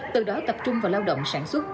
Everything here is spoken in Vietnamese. từ đó tập trung vào lao động sản xuất